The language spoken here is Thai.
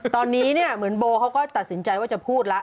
ตอนนี้เนี่ยเหมือนโบเขาก็ตัดสินใจว่าจะพูดแล้ว